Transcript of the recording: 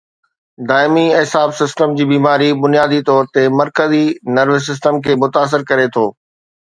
دائمي اعصاب سسٽم جي بيماري بنيادي طور تي مرڪزي نروس سسٽم کي متاثر ڪري ٿو